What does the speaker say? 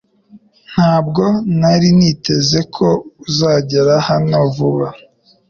Ntabwo nari niteze ko uzagera hano vuba .